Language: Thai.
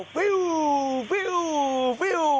ฟิ้วฟิ้วฟิ้ว